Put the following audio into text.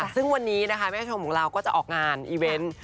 ซึ่งวันนี้นะคะแม่ชมของเราก็จะออกงานอีเวนต์